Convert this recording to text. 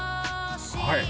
はい！